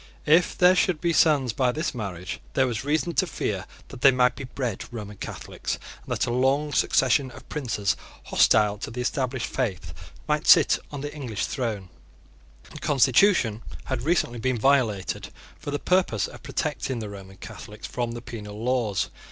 If there should be sons by this marriage, there was reason to fear that they might be bred Roman Catholics, and that a long succession of princes, hostile to the established faith, might sit on the English throne. The constitution had recently been violated for the purpose of protecting the Roman Catholics from the penal laws.